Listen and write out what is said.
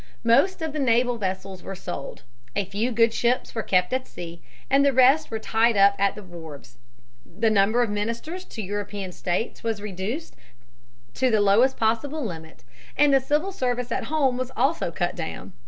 Most of the naval vessels were sold. A few good ships were kept at sea, and the rest were tied up at the wharves. The number of ministers to European states was reduced to the lowest possible limit, and the civil service at home was also cut down.